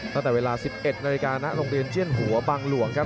ตั้งแต่เวลา๑๑นนเจี่ยนหัวบางหลวงครับ